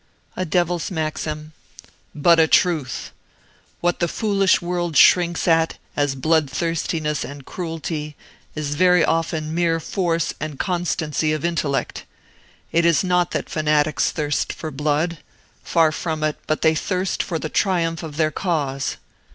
"A devil's maxim." "But a truth. What the foolish world shrinks at as bloodthirstiness and cruelty is very often mere force and constancy of intellect. It is not that fanatics thirst for blood far from it, but they thirst for the triumph of their cause.